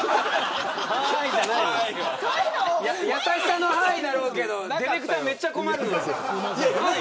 優しさのはあいなんだろうけどディレクターめっちゃ困るのよ。